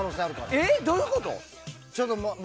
ええっ、どういうこと？